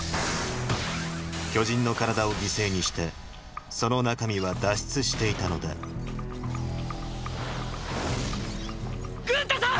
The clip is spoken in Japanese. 巨人の体を犠牲にしてその中身は脱出していたのだグンタさん！！